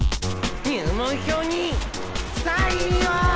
入門票にサインを！